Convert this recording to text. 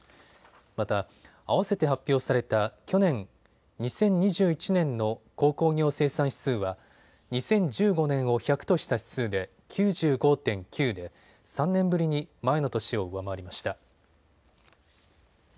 また、あわせて発表された去年・２０２１年の鉱工業生産指数は２０１５年を１００とした指数で９５．９で３年ぶりに前の年を上回りました。